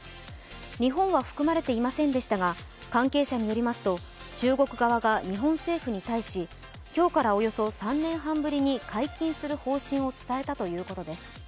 日本は含まれていませんでしたが、関係者によりますと、中国側が日本政府に対し今日からおよそ３年半ぶりに解禁する方針を伝えたということです。